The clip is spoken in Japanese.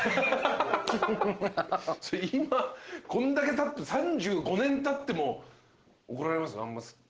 今こんだけたって３５年たっても怒られます？